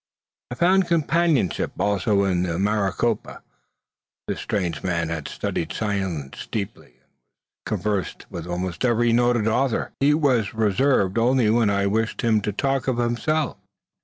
I found companionship also in the Maricopa. This strange man had studied science deeply, and was conversant with almost every noted author. He was reserved only when I wished him to talk of himself.